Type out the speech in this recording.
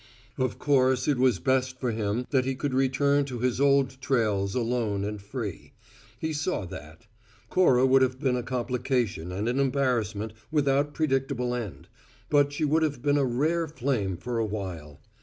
Of course it was best for him that he could return to his old trails alone and free; he saw that. Cora would have been a complication and an embarrassment without predictable end, but she would have been a rare flame for a while.